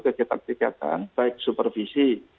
ketaktikatan baik supervisi